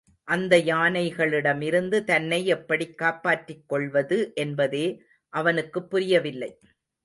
அந்த யானைகளிடமிருந்து தன்னை எப்படிக் காப்பாற்றிக் கொள்வது என்பதே அவனுக்குப் புரியவில்லை.